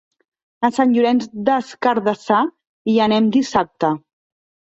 A Sant Llorenç des Cardassar hi anem dissabte.